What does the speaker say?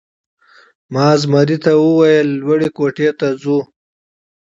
ما زمري ته وویل: لوړ کوټې ته ځو؟